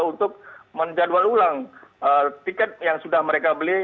untuk menjadwal ulang tiket yang sudah mereka beli